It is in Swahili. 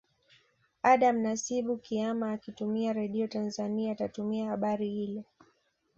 Adam Nasibu Kiama akitumia Radio Tanzania atatumia habari hile